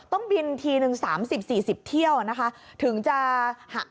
ต้องบินทีหนึ่ง๓๐๔๐เที่ยวนะคะ